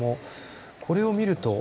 これを見ると。